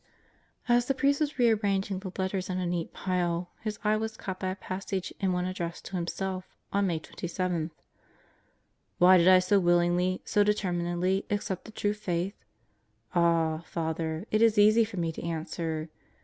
As the priest was rearranging the letters in a neat pile, his eye was caught by a passage in one addressed to himself on May 27: Why did I so willingly, so determinedly accept the true Faith? Ah, Father, it is easy for me to answer.